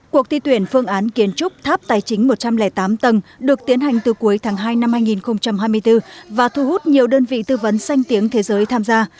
cuộc thi tuyển phương án kiến trúc tháp tài chính một trăm linh tám tầng được tiến hành từ cuối tháng hai năm hai nghìn hai mươi bốn và thu hút nhiều đơn vị tư vấn sanh tiếng thế giới tham gia